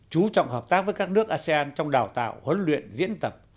chú trọng hợp tác với các nước asean trong đào tạo huấn luyện diễn tập